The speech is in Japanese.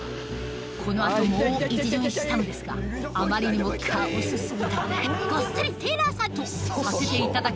このあともう１巡したのですがあまりにもカオスすぎたのでごっそりテラサとさせていただきました